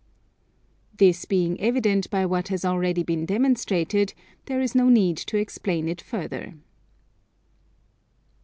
This being evident by what has already been demonstrated, there is no need to explain it further.